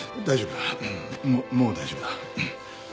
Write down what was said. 大丈夫だ。ももう大丈夫だ。